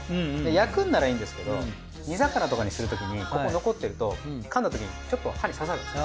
焼くんならいいんですけど煮魚とかにするときにここ残ってるとかんだときにちょっと歯に刺さるんですよ。